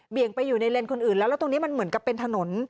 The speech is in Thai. เบี่ยงไปอยู่ในเลนคนอื่นแล้วตรงนี้มันเหมือนกับเป็นถนน